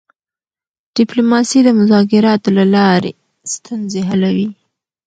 ډیپلوماسي د مذاکراتو له لارې ستونزې حلوي.